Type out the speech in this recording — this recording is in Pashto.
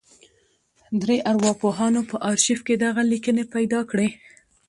درې ارواپوهانو په ارشيف کې دغه ليکنې پیدا کړې.